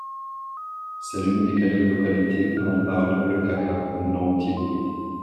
C'est l'une des quelques localités où l'on parle le caka, une langue tivoïde.